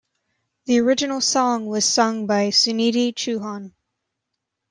The original song was sung by Sunidhi Chauhan.